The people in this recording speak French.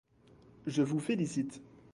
Je vous félicite.